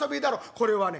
「これはね